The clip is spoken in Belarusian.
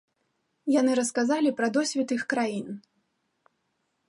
Яны расказалі пра досвед іх краін.